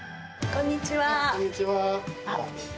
こんにちは。